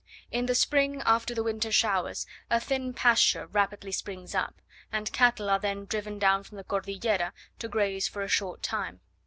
In the spring, after the winter showers, a thin pasture rapidly springs up, and cattle are then driven down from the Cordillera to graze for a short time.